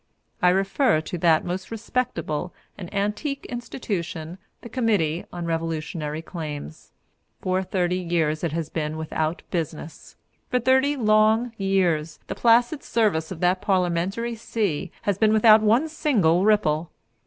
I refer to that most respectable and antique institution, the Committee on Revolutionary Claims. For thirty years it has been without business. For thirty long years the placid surface of that parliamentary sea has been without one single ripple.